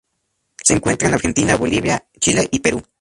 Se encuentra en Argentina Bolivia, Chile y Perú.